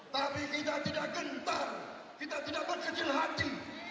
tapi kita tidak kental kita tidak berkecil hati